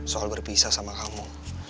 soal berpisah sama kamu